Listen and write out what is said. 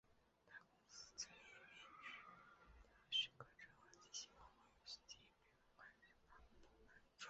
该公司曾因未取得许可证而进行网络游戏经营被文化执法部门处罚。